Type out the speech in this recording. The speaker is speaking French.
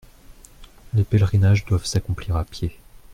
Les pèlerinages doivent s'accomplir à pied.